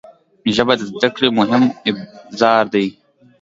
ژبه د زده کړې مهم ابزار دی